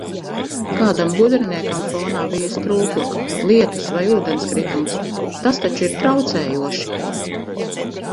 Kādam gudriniekam fonā bija strūklaka, lietus vai ūdenskritums! Tas taču ir traucējoši!